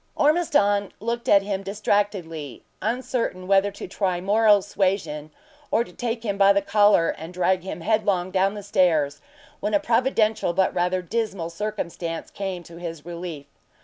Ormiston looked at him distractedly, uncertain whether to try moral suasion or to take him by the collar and drag him headlong down the stairs, when a providential but rather dismal circumstance came to his relief.